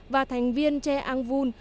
và thành viên che ang vun